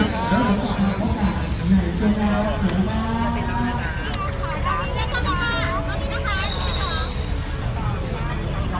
สวัสดีค่ะ